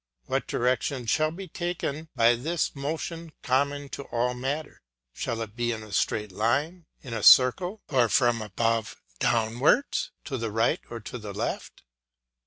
What direction shall be taken by this motion common to all matter? Shall it be in a straight line, in a circle, or from above downwards, to the right or to the left?